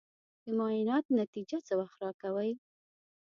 د معاینات نتیجه څه وخت راکوې؟